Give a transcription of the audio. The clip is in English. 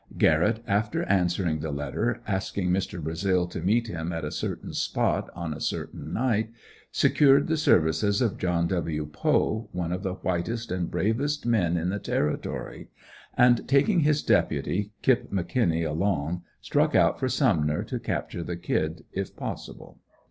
Garrett after answering the letter, asking Mr. Brazil to meet him at a certain spot on a certain night, secured the services of John W. Poe, one of the whitest and bravest men in the Territory, and taking his Deputy, "Kip" McKinnie along, struck out for "Sumner" to capture the Kid if possible.